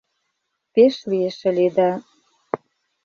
Пеш лиеш ыле да —